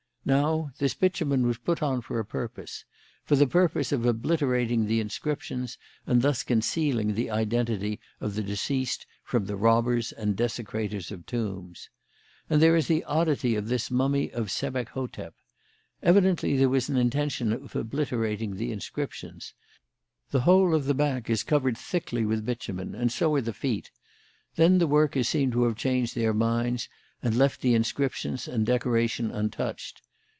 Now, this bitumen was put on for a purpose for the purpose of obliterating the inscriptions and thus concealing the identity of the deceased from the robbers and desecrators of tombs. And there is the oddity of this mummy of Sebek hotep. Evidently there was an intention of obliterating the inscriptions. The whole of the back is covered thickly with bitumen, and so are the feet. Then the workers seem to have changed their minds and left the inscriptions and decoration untouched.